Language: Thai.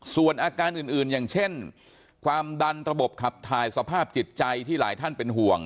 ส่วนอาการอื่นอย่างเช่นความดันระบบขับถ่ายสภาพจิตใจที่หลายท่านเป็นห่วง